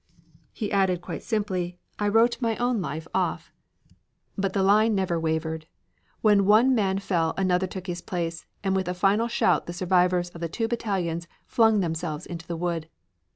He added quite simply "I wrote my own life off." But the line never wavered. When one man fell another took his place, and with a final shout the survivors of the two battalions flung themselves into the wood.